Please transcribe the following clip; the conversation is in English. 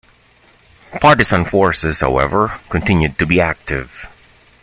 Partisan forces, however, continued to be active.